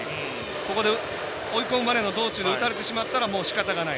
ここで追い込むまでの道中で打たれてしまったらもう、しかたがない。